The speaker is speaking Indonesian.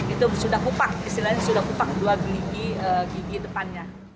itu sudah kupak istilahnya sudah kupak dua gigi depannya